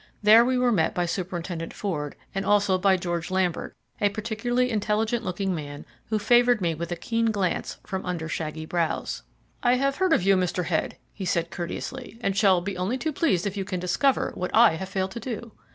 There we were met by Superintendent Ford, and also by George Lambert, a particularly intelligent looking man who favoured me with a keen glance from under shaggy brows. "I have heard of you, Mr. Head," he said courteously, "and shall be only too pleased if you can discover what I have failed to do.